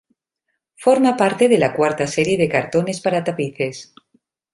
Forma parte de la cuarta serie de cartones para tapices.